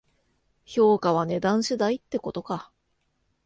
評価は値段次第ってことか